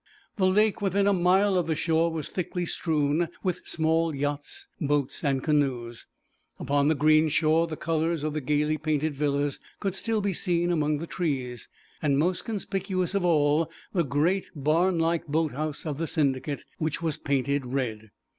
The lake within a mile of the shore was thickly strewn with small yachts, boats, and canoes. Upon the green shore the colours of the gaily painted villas could still be seen among the trees, and most conspicuous of all the great barn like boat house of the Syndicate, which was painted red.